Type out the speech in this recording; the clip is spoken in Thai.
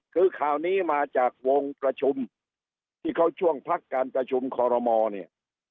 คือข่าวนี้มาจากวงประชุมที่เขาช่วงพักการประชุมคอรมอเนี่ย